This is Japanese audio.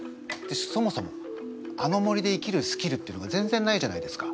そもそもあの森で生きるスキルっていうのが全然ないじゃないですか。